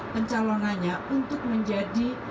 pencalonannya untuk menjadi